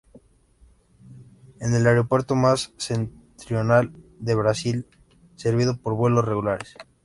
Es el aeropuerto más septentrional de Brasil servido por vuelos regulares.